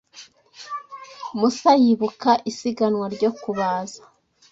Musa yibuka isiganwa ryo kubaza